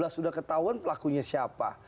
sudah ketahuan pelakunya siapa